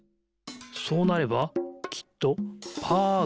そうなればきっとパーがでる。